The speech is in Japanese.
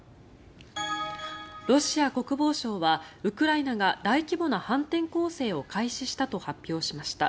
ロシア国防省はウクライナが大規模な反転攻勢を開始したと発表しました。